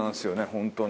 本当に。